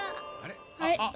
はい！